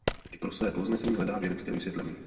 I pro své povznesení hledá vědecké vysvětlení.